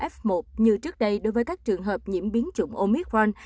f một như trước đây đối với các trường hợp nhiễm biến chủng omitron